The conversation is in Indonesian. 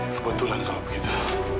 kebetulan kalau begitu